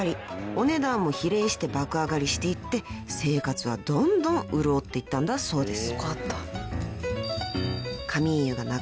［お値段も比例して爆上がりしていって生活はどんどん潤っていったんだそうです］